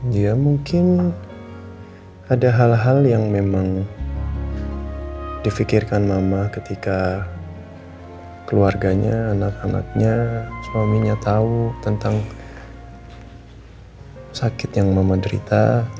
dia mungkin ada hal hal yang memang difikirkan mama ketika keluarganya anak anaknya suaminya tahu tentang sakit yang mama derita